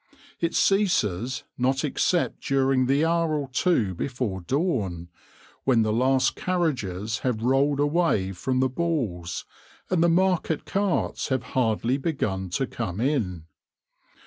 It ceases not except during the hour or two before dawn, when the last carriages have rolled away from the balls and the market carts have hardly begun to come in.